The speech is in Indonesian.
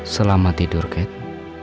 selamat tidur kate